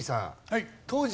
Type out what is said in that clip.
はい。